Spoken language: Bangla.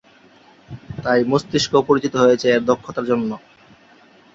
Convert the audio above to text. তাই মস্তিষ্ক পরিচিত হয়েছে এর দক্ষতার জন্য।